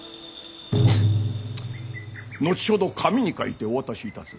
後ほど紙に書いてお渡しいたす。